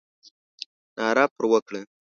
ناره پر وکړه.